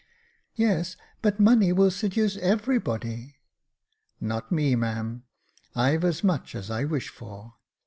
" Yes, but money will seduce everybody." " Not me, ma'am ; I've as much as I wish for."